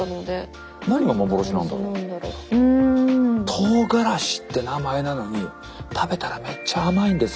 とうがらしって名前なのに食べたらめっちゃ甘いんですよ。